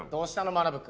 まなぶ君。